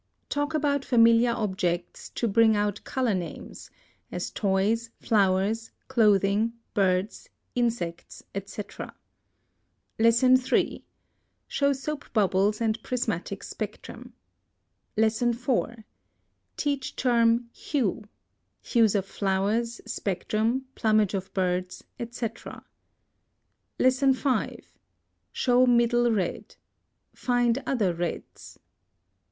Talk about familiar objects, to bring out color names, 2. as toys, flowers, clothing, birds, insects, etc. 3. Show soap bubbles and prismatic spectrum. 4. Teach term HUE. Hues of flowers, spectrum, plumage of birds, etc. 5. Show MIDDLE RED. Find other reds.